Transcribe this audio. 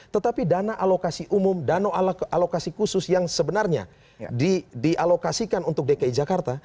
tetapi dana alokasi umum dana alokasi khusus yang sebenarnya dialokasikan untuk dki jakarta